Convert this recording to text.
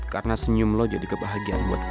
karena senyum lo jadi kebahagiaan buat gue